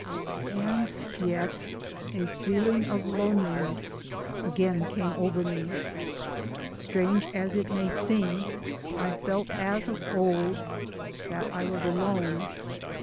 And yet a feeling of loneliness again came over me. Strange as it may seem, I felt as of old that I was alone.